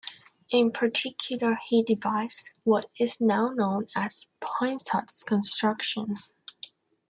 In particular he devised, what is now known as, Poinsot's construction.